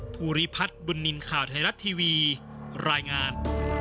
ภูริพัฒน์บุญนินทร์ข่าวไทยรัฐทีวีรายงาน